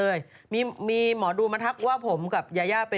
โอลี่คัมรี่ยากที่ใครจะตามทันโอลี่คัมรี่ยากที่ใครจะตามทัน